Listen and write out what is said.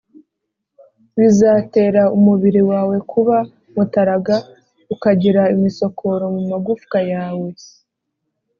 bizatera umubiri wawe kuba mutaraga, ukagira imisokoro mu magufwa yawe